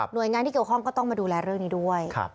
โดยงานที่เกี่ยวข้องก็ต้องมาดูแลเรื่องนี้ด้วย